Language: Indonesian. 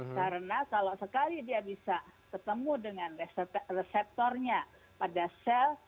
karena kalau sekali dia bisa ketemu dengan reseptornya pada sel